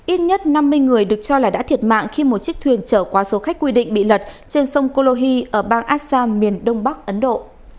ít nhất năm mươi người được cho là đã thiệt mạng khi một chiếc thuyền trở qua số khách quy định bị lật trên sông kolohi ở bang assag miền đông bắc ấn độ